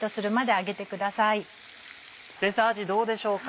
先生あじどうでしょうか。